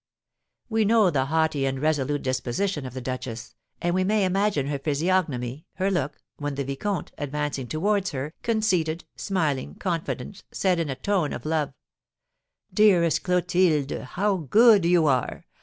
We know the haughty and resolute disposition of the duchess, and we may imagine her physiognomy, her look, when the vicomte, advancing towards her, conceited, smiling, confident, said, in a tone of love: "Dearest Clotilde, how good you are!